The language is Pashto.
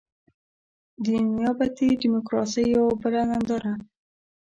د نيابتي ډيموکراسۍ يوه بله ننداره.